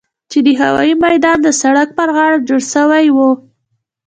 چې د هوايي ميدان د سړک پر غاړه جوړ سوي وو.